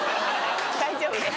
大丈夫です